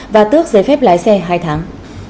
và tước giấy phép lái xe hai tháng